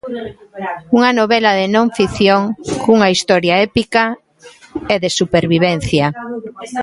Unha novela de non ficción cunha historia épica e de supervivencia.